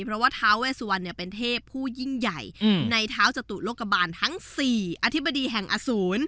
เพราะว่าท้าเวสวันเป็นเทพผู้ยิ่งใหญ่ในเท้าจตุโลกบาลทั้ง๔อธิบดีแห่งอสูร